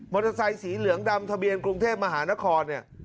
เตอร์ไซค์สีเหลืองดำทะเบียนกรุงเทพมหานครเนี่ย